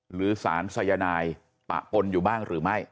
หรือสารสายนายปะปนอยู่บ้างหรือไม่